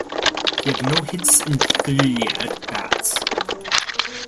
He had no hits in three at bats.